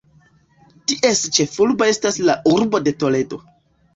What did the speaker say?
Ties ĉefurbo estas la urbo de Toledo.